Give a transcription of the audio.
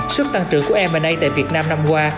sốp tăng trưởng của m a tại việt nam năm qua